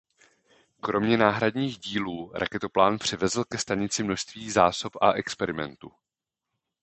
Kromě náhradních dílů raketoplán přivezl ke stanici množství zásob a experimentů.